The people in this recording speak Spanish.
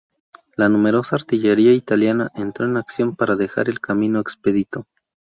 La numerosa artillería italiana entró en acción para dejar el camino expedito.